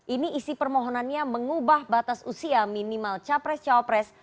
ini isi permohonannya mengubah batas usia minimal capres cawapres